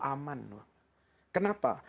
aman loh kenapa